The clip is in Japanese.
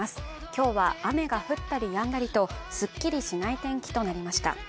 今日は雨が降ったりやんだりとすっきりしない天気となりました。